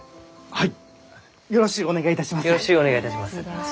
はい。